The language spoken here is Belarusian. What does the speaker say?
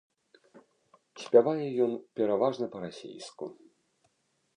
Спявае ён пераважна па-расейску.